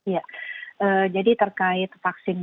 ya jadi terkait